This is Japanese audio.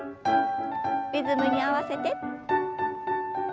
リズムに合わせて。